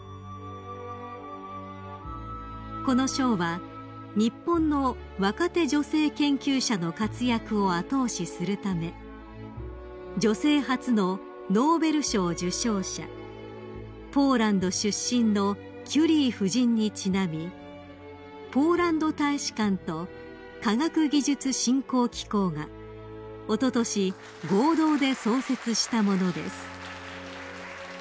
［この賞は日本の若手女性研究者の活躍を後押しするため女性初のノーベル賞受賞者ポーランド出身のキュリー夫人にちなみポーランド大使館と科学技術振興機構がおととし合同で創設したものです］